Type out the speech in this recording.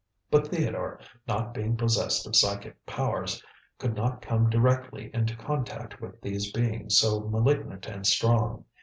But Theodore, not being possessed of psychic powers, could not come directly into contact with these beings so malignant and strong.